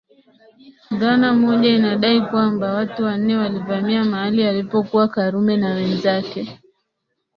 Dhana moja inadai kwamba watu wanne walivamia mahali alipokuwa Karume na wenzake